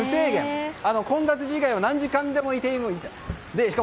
混雑時以外は何時間でもいてよくてそして